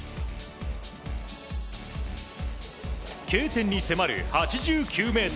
Ｋ点に迫る８９ｍ。